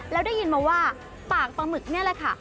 แล้วได้ยินมาว่าปากปลาหมึกนี่แหละค่ะ